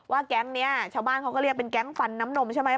แก๊งนี้ชาวบ้านเขาก็เรียกเป็นแก๊งฟันน้ำนมใช่ไหม